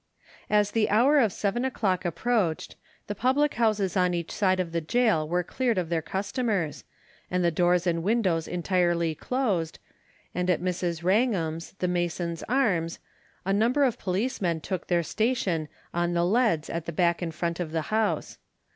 As the hour of seven o'clock approached, the public houses on each side of the gaol were cleared of their customers, and the doors and windows entirely closed, and at Mrs. Wrangham's, the Masons' Arms, a number of policemen took their station on the leads at the back and front of the house.